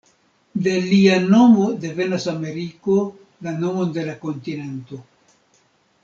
De lia nomo devenas Ameriko, la nomo de la kontinento.